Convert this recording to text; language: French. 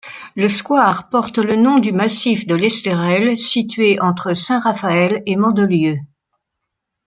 Le square porte le nom du massif de l'Esterel situé entre Saint-Raphaël et Mandelieu.